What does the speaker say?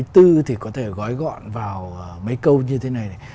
thì có thể gói gọn vào mấy câu như thế này này